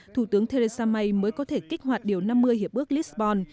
thủ tướng theresa may mới có thể kích hoạt điều năm mươi hiệp ước lisbon